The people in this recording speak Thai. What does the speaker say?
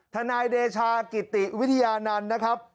นายเดชากิติวิทยานันต์นะครับ